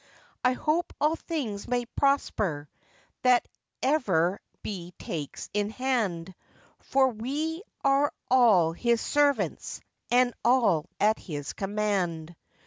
I hope all things may prosper, That ever be takes in hand; For we are all his servants, And all at his command.